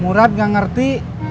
murad nggak ngerti